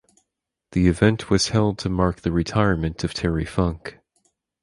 The event was held to mark the retirement of Terry Funk.